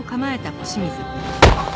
あっ！